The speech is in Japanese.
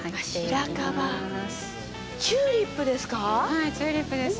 はい、チューリップです。